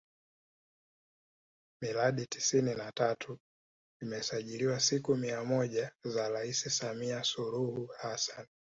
Miradi tisini na tatu imesajiliwa siku mia moja za Rais Samilia Suluhu Hassan